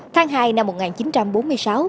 tháng hai năm một nghìn chín trăm bốn mươi sáu